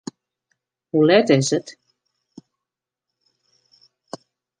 Hoe let is it?